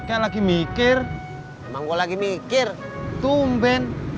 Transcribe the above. eh mbak be